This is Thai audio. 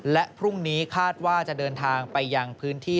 และพรุ่งนี้คาดว่าจะเดินทางไปยังพื้นที่